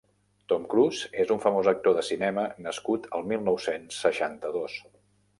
Tom Cruise és un famós actor de cinema nascut el mil nou-cents seixanta-dos.